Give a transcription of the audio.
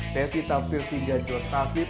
desi tafir singga jor sasib